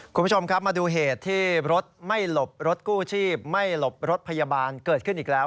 คุณผู้ชมครับมาดูเหตุที่รถไม่หลบรถกู้ชีพไม่หลบรถพยาบาลเกิดขึ้นอีกแล้ว